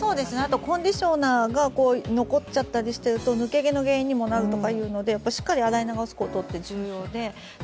コンディショナーが残っちゃったりしていると抜け毛の原因にもなるというのでしっかり洗い流すことって重要だと。